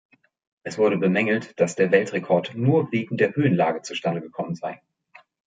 Es wurde bemängelt, dass der Weltrekord nur wegen der Höhenlage zustande gekommen sei.